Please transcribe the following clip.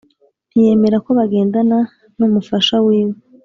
Ntiyemerako bagendana numufasha wiwe